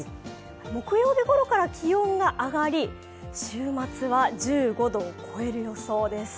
木曜日ごろから気温が上がり、週末は１５度を超える予想です。